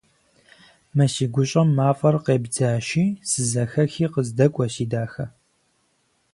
Мы си гущӏэм мафӏэр къебдзащи, сызэхэхи къыздэкӏуэ, си дахэ!